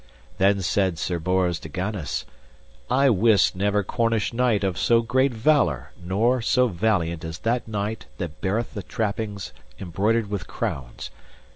Then said Sir Bors de Ganis: I wist never Cornish knight of so great valour nor so valiant as that knight that beareth the trappings embroidered with crowns.